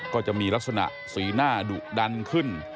ก็จะมีลักษณะสีหน้าดุดันขึ้น